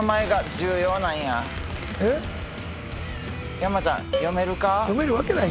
山ちゃん読めるか？